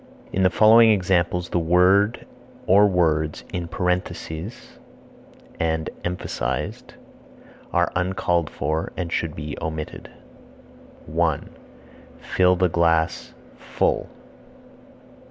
In the following examples the word or words in parentheses are uncalled for and should be omitted: 1. Fill the glass (full).